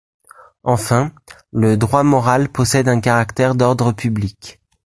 Enfin, le droit moral possède un caractère d'ordre public.